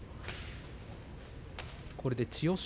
これで千代翔